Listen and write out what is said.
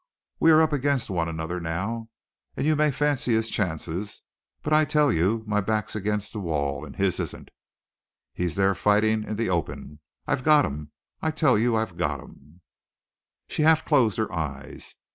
We are up against one another now, and you may fancy his chances; but I tell you my back's against the wall, and his isn't. He's there fighting in the open. I've got him, I tell you, got him!" She half closed her eyes.